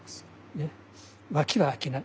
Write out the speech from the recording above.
脇は開けない。